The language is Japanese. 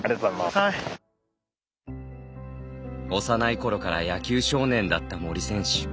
幼いころから野球少年だった森選手。